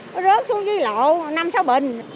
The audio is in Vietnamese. nó rớt xuống dưới lộ năm sáu bình